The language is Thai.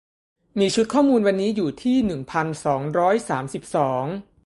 มีชุดข้อมูลวันนี้อยู่ที่ หนึ่งพันสองร้อยสามสิบสอง